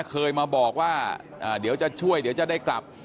เคยมาบอกว่าเดี๋ยวจะช่วยเดี๋ยวจะได้กลับ